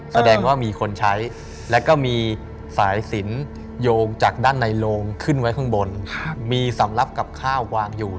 แสดงว่ามีคนใช้แล้วก็มีสายสินโยงจากด้านในโลงขึ้นไว้ข้างบนมีสำหรับกับข้าววางอยู่